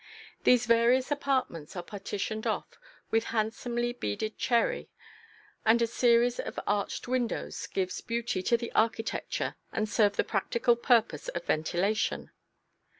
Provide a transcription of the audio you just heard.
These various apartments are partitioned off with handsomely beaded cherry, and a series of arched windows give beauty to the architecture and serve the practical purpose of ventilation.